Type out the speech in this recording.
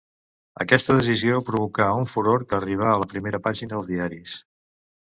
Aquesta decisió provocà un furor que arribà a la primera pàgina dels diaris.